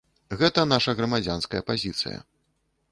Гэта наша грамадзянская пазіцыя.